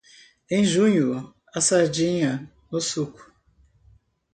Em junho, a sardinha no suco.